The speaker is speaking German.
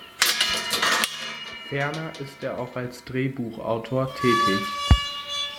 Ferner ist er auch als Drehbuchautor tätig.